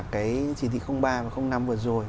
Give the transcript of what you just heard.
cái chỉ thị ba và năm vừa rồi